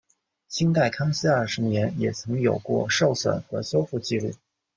清代康熙二十年也曾有过受损和修复纪录。